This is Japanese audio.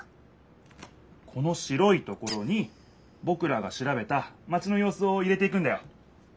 この白いところにぼくらがしらべたマチのようすを入れていくんだよ。